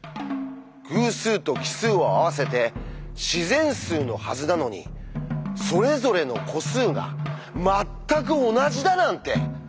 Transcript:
偶数と奇数を合わせて自然数のはずなのにそれぞれの個数がまったく同じだなんて！